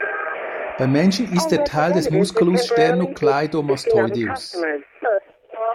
Beim Menschen ist er Teil des Musculus sternocleidomastoideus.